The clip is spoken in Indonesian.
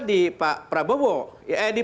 di pak prabowo ya eh di